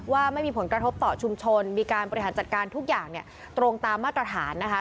ว่าไม่มีผลกระทบต่อชุมชนมีการบริหารจัดการทุกอย่างเนี่ยตรงตามมาตรฐานนะคะ